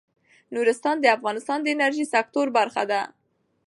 نورستان د افغانستان د انرژۍ سکتور برخه ده.